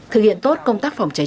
thực hiện tốt công tác phòng cháy